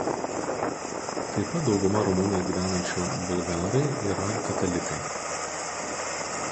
Taip pat dauguma Rumunijoje gyvenančių bulgarai yra katalikai.